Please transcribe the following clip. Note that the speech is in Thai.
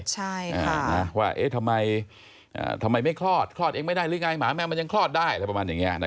ใช่ค่ะ